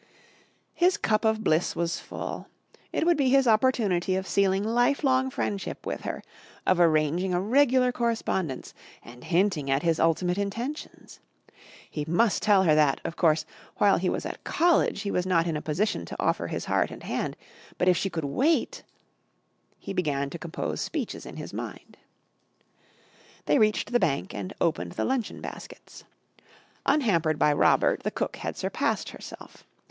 His cup of bliss was full. It would be his opportunity of sealing lifelong friendship with her, of arranging a regular correspondence, and hinting at his ultimate intentions. He must tell her that, of course, while he was at college he was not in a position to offer his heart and hand, but if she could wait He began to compose speeches in his mind. They reached the bank and opened the luncheon baskets. Unhampered by Robert the cook had surpassed herself.